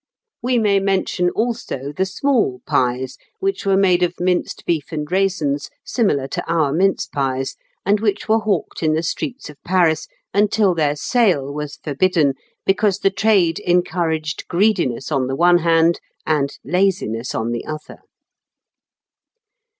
We may mention also the small pies, which were made of minced beef and raisins, similar to our mince pies, and which were hawked in the streets of Paris, until their sale was forbidden, because the trade encouraged greediness on the one hand and laziness on the other.